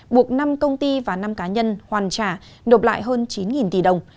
buộc năm công ty và năm cá nhân hoàn trả nộp lại hơn chín tỷ đồng